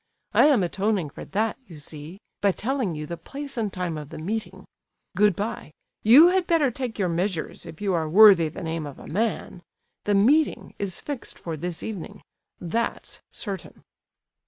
I am atoning for that, you see, by telling you the place and time of the meeting. Goodbye! You had better take your measures, if you are worthy the name of a man! The meeting is fixed for this evening—that's certain."